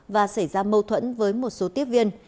và xảy ra mâu thuẫn với một số tiếp viên